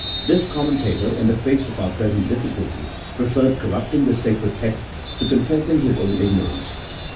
This commentator, in the face of our present difficulty, pre ferred corrupting the sacred text to confessing his own ignorance.